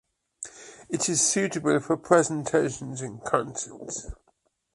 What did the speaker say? It is suitable for presentations and concerts.